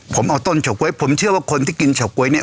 ผมเอาต้นเฉาก๊วยผมเชื่อว่าคนที่กินเฉาก๊วยเนี่ย